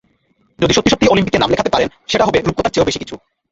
যদি সত্যি সত্যি অলিম্পিকে নাম লেখাতে পারেন, সেটা হবে রূপকথার চেয়েও বেশি কিছু।